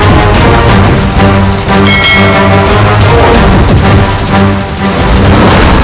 aku akan menang